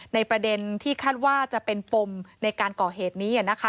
ประเด็นที่คาดว่าจะเป็นปมในการก่อเหตุนี้